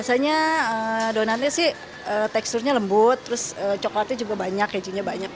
biasanya donatnya sih teksturnya lembut terus coklatnya juga banyak kejunya banyak